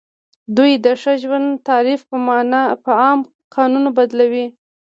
دوی د ښه ژوند تعریف په عام قانون بدلوي.